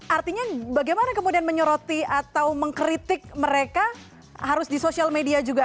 artinya bagaimana kemudian menyoroti atau mengkritik mereka harus di sosial media juga